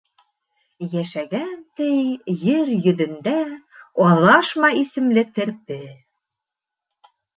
Йәшәгән, ти, ер йөҙөндә Аҙашма исемле терпе.